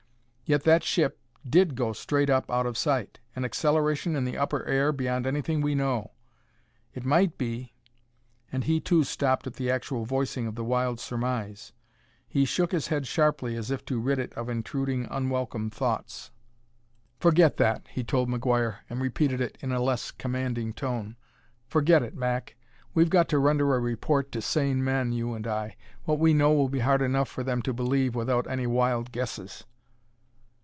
Yet that ship did go straight up out of sight an acceleration in the upper air beyond anything we know. It might be " And he, too, stopped at the actual voicing of the wild surmise. He shook his head sharply as if to rid it of intruding, unwelcome thoughts. "Forget that!" he told McGuire, and repeated it in a less commanding tone. "Forget it, Mac: we've got to render a report to sane men, you and I. What we know will be hard enough for them to believe without any wild guesses.